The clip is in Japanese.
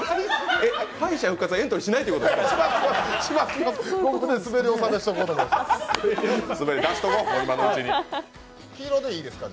え、敗者復活はエントリーしないということですか？